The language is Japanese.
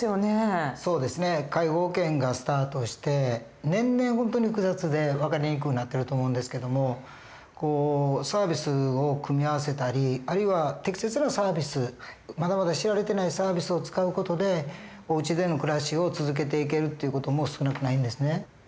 介護保険がスタートして年々本当に複雑で分かりにくうなってると思うんですけどもサービスを組み合わせたりあるいは適切なサービスまだまだ知られてないサービスを使う事でおうちでの暮らしを続けていけるっていう事も少なくないんですね。